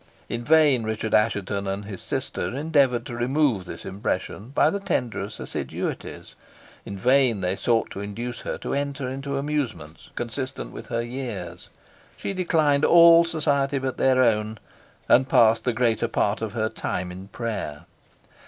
In vain Richard Assheton and his sister endeavoured to remove this impression by the tenderest assiduities; in vain they sought to induce her to enter into amusements consistent with her years; she declined all society but their own, and passed the greater part of her time in prayer.